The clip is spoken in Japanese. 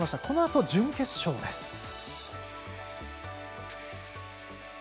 このあと準決勝です。